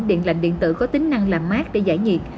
điện lạnh điện tử có tính năng làm mát để giải nhiệt